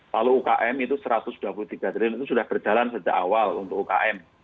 lalu ukm itu rp satu ratus dua puluh tiga triliun itu sudah berjalan sejak awal untuk ukm